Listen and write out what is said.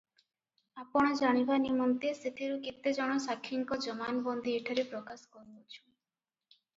ଆପଣ ଜାଣିବା ନିମନ୍ତେ ସେଥିରୁ କେତେ ଜଣ ସାକ୍ଷୀଙ୍କ ଜମାନବନ୍ଦି ଏଠାରେ ପ୍ରକାଶ କରୁଅଛୁଁ -